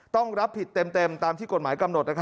ต้องรับผิดเต็มตามที่กฎหมายกำหนด